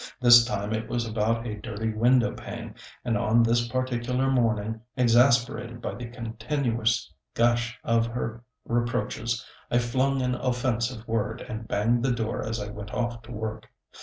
This time it was about a dirty window pane, and on this particular morning, exasperated by the continuous gush of her reproaches, I flung an offensive word, and banged the door as I went off to work.